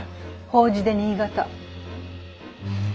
法事で新潟。